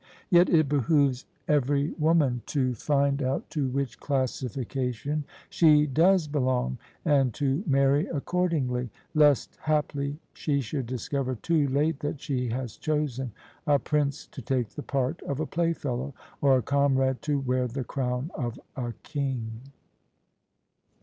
Yet it behoves every woman to [ 120] OF ISABEL CARNABY find out to which classification she does belong, and to marry accordingly, lest haply she should discover too late that she has chosen a prince to take the part of a playfellow, or a comrade to wear the crown of a king.